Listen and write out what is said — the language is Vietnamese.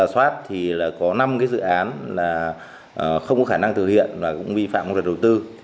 sau khi ra soát có năm dự án không có khả năng thực hiện và cũng vi phạm công trình đầu tư